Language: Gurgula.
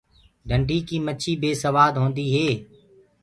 ڍنڊي ڪي مڇيٚ بي سوآديٚ هي۔